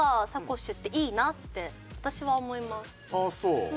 ああそう？